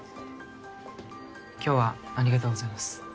今日はありがとうございます。